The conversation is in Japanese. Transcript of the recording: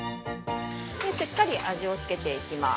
◆しっかり味をつけていきます。